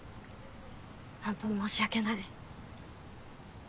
本当申し訳ない。